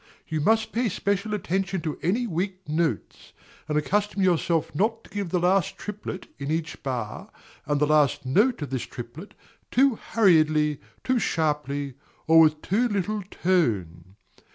You must pay special attention to any weak notes, and accustom yourself not to give the last triplet, in each bar, and the last note of this triplet, too hurriedly, too sharply, or with too little tone.